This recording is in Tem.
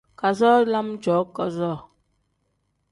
Kazoo lam cooo kazoo.